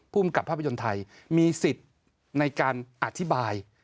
ภูมิกับภาพยนตร์ไทยมีสิทธิ์ในการอธิบาย